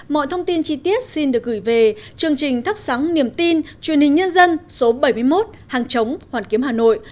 mọi thông tin chi tiết xin được gửi về chương trình thắp sáng niềm tin truyền hình nhân dân số bảy mươi một hàng chống hoàn kiếm hà nội